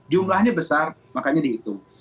jumlahnya besar makanya dihitung